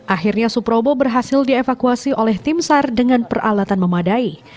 akhirnya suprobo berhasil dievakuasi oleh tim sar dengan peralatan memadai